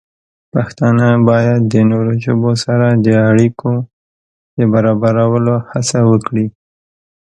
پښتانه باید د نورو ژبو سره د اړیکو د برابرولو هڅه وکړي.